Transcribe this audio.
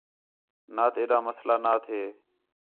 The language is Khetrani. نات ایݙا مسئلہ نا تھے